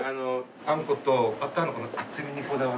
あんことバターの厚みにこだわって。